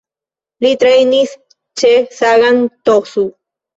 Li trejnis ĉe Sagan Tosu.